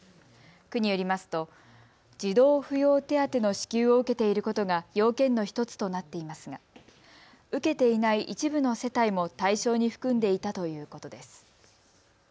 区によりますと児童扶養手当の支給を受けていることが要件の１つとなっていますが受けていない一部の世帯も対象に含んでいたということです。